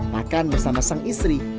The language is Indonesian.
bahkan bersama sang istri